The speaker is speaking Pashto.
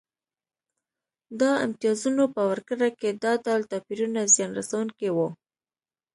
د امتیازونو په ورکړه کې دا ډول توپیرونه زیان رسونکي وو